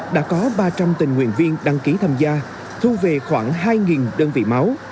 đã có ba trăm linh tình nguyện viên đăng ký tham gia thu về khoảng hai đơn vị máu